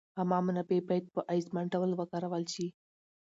عامه منابع باید په اغېزمن ډول وکارول شي.